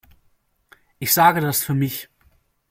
Ich sage das für mich.